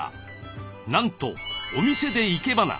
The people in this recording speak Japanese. なんとお店で生け花！